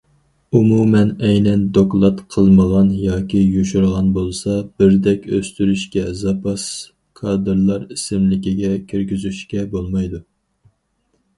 ئومۇمەن ئەينەن دوكلات قىلمىغان ياكى يوشۇرغان بولسا، بىردەك ئۆستۈرۈشكە، زاپاس كادىرلار ئىسىملىكىگە كىرگۈزۈشكە بولمايدۇ.